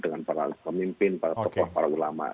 dengan para pemimpin para tokoh para ulama